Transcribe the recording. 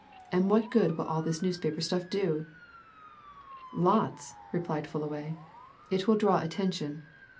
And what good will all this newspaper stuff do?" "Lots!" replied Fullaway. "It will draw attention.